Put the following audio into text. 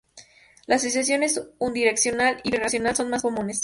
Las asociaciones unidireccional y bidireccional son las más comunes.